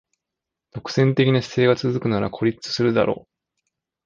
独占的な姿勢が続くなら孤立するだろう